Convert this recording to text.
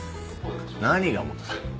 何が「元」だ。